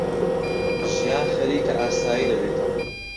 ژیان خەریکە ئاسایی دەبێتەوە.